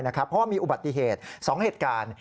เพราะว่ามีอุบัติเหตุ๒เหตุการณ์